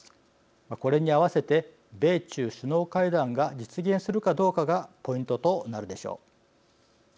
これに合わせて米中首脳会談が実現するかどうかがポイントとなるでしょう。